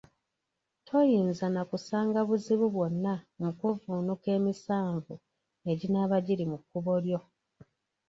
Toyinza na kusanga buzibu bwonna mu kuvvuunuka emisanvu eginaaba giri mu kkubo lyo.